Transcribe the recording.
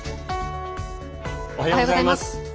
おはようございます。